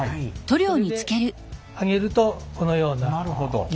それで上げるとこのような。